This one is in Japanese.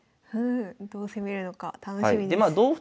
どう攻めるのか楽しみです。